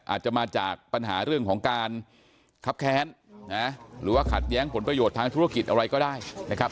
อาจจะมาจากปัญหาเรื่องของการคับแค้นหรือว่าขัดแย้งผลประโยชน์ทางธุรกิจอะไรก็ได้นะครับ